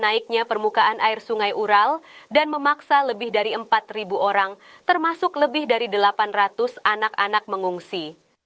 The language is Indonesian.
delapan ratus anak anak mengungsi